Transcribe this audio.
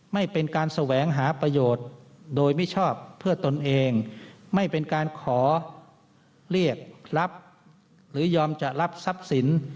ไม่เป็นการแสวงหาประโยชน์โดยมิชอบเพื่อตนเองไม่เป็นการขอเรียกรับหรือยอมจะรับทรัพย์สิน